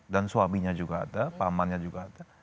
dan suaminya juga ada pamannya juga ada